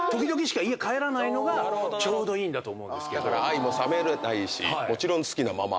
だから愛も冷めないしもちろん好きなまま。